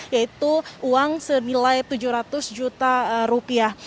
yaitu uang senilai tujuh ratus juta rupiah